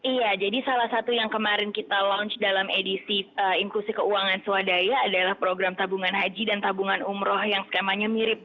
iya jadi salah satu yang kemarin kita launch dalam edisi inklusi keuangan swadaya adalah program tabungan haji dan tabungan umroh yang skemanya mirip